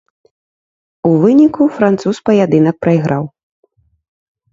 У выніку, француз паядынак прайграў.